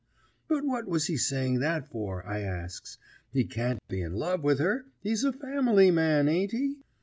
'" "But what was he saying that for?" I asks. "He can't be in love with her. He's a family man, ain't he?"